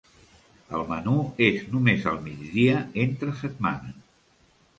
El menú és només al migdia entre setmana.